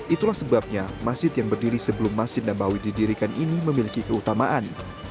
itulah sebabnya masjid yang berdiri sebelum masjid nabawi didirikan ini memiliki keutamaan